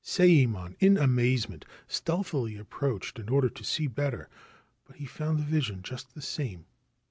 Sayemon, in amazement, stealthily approached in order to see better ; but he found the vision just the same.